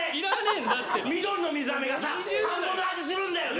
緑の水あめがさ田んぼの味するんだよね！